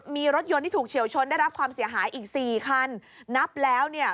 มีรถยนต์ที่ถูกเฉียวชนได้รับความเสียหายอีกสี่คันนับแล้วเนี่ย